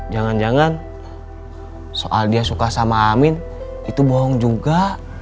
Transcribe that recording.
jangan jangan soal dia suka sama amin itu bohong juga